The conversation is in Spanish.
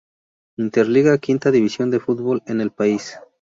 Inter Liga, quinta división de fútbol en el país.